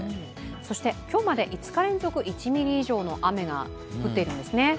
そして、今日まで５日連続１ミリ以上の雨が降っているんですね。